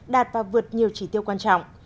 đạt và vượt nhiều trí tiêu quan trọng